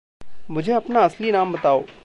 मुझे अपना असली नाम बताओ।